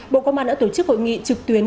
bộ công an đã tổ chức hội nghị trực tuyến